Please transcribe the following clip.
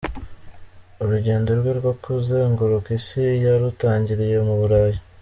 Urugendo rwe rwo kuzengurika isi yarutangiriye mu Burayi.